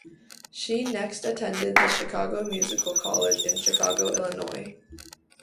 She next attended the Chicago Musical College in Chicago, Illinois.